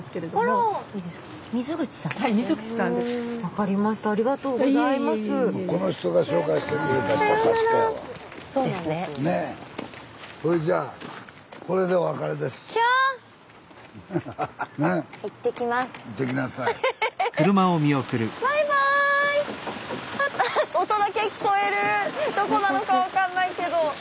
どこなのか分かんないけど。